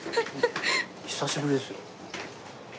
久しぶりですよ。